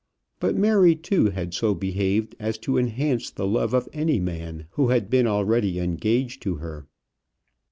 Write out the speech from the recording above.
But Mary, too, had so behaved as to enhance the love of any man who had been already engaged to her.